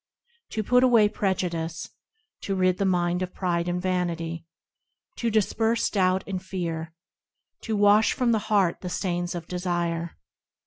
To put away prejudice, To rid the mind of pride and vanity, To disperse doubt and fear, To wash from the heart the stains of desire.